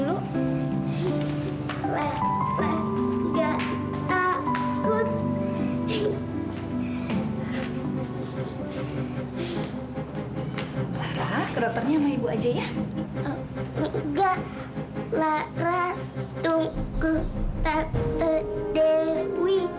ayuh nih enggak tante dewi